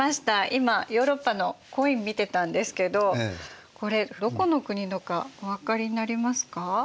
今ヨーロッパのコイン見てたんですけどこれどこの国のかお分かりになりますか？